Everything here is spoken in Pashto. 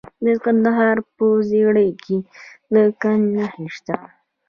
د کندهار په ژیړۍ کې د ګچ نښې شته.